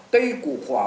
cây củ khỏa